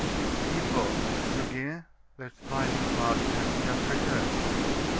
He paused; Goguet, the smiling clerk, had just returned.